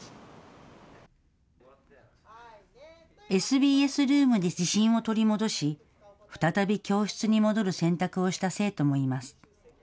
ＳＢＳルームで自信を取り戻し、再び教室に戻る選択をした生徒もいます。